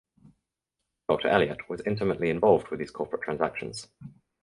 Doctor Elliott was intimately involved with these corporate transactions.